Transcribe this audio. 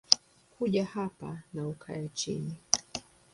Kuja hapa na ukae chini